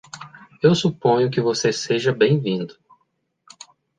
Eu suponho que você seja bem-vindo.